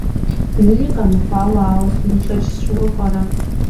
Зыри къэмыхъуауэ ауэ сытми шэч сщӏыуэ пӏэрэ?